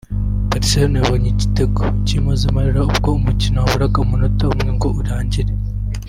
Barcelone yabonye igitego cy’impozamarira ubwo umukino waburaga umunota umwe ngo urangire